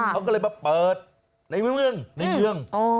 เขาก็เลยมาเปิดในเมือง